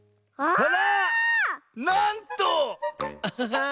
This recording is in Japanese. あら⁉あっ⁉なんと⁉アハハー！